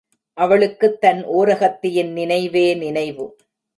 அவளுக்குத் தன் ஓரகத்தியின் நினைவே நினைவு.